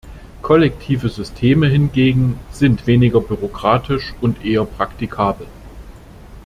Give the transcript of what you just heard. Kollektive Systeme hingegen sind weniger bürokratisch und eher praktikabel.